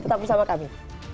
tetap bersama kami